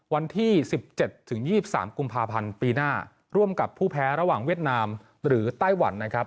วันที่๑๗๒๓กุมภาพันธ์ปีหน้าร่วมกับผู้แพ้ระหว่างเวียดนามหรือไต้หวันนะครับ